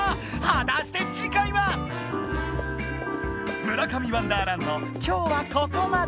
はたして次回は⁉「村上ワンダーランド」今日はここまで！